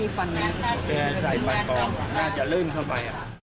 ใส่ปันกองน่าจะลื่นเข้าไปอ่ะ